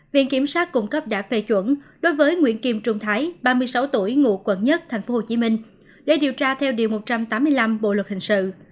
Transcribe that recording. viện kiểm sát cung cấp đã phê chuẩn đối với nguyễn kim trung thái ba mươi sáu tuổi ngụ quận một tp hcm để điều tra theo điều một trăm tám mươi năm bộ luật hình sự